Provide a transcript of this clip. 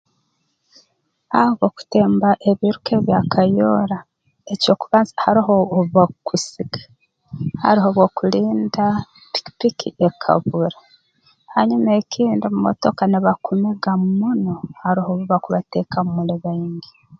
Abo barukutemba ebiiruka ebya kayoora eky'okubanza haroho obu bakukusiga haroho obu okulinda pikipiki ekabura hanyuma ekindi mu motoka nibakumiga muno haroho obu bakubateekamu muli baingi